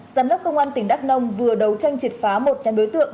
giám đốc công an tỉnh đắk nông vừa đấu tranh triệt phá một nhóm đối tượng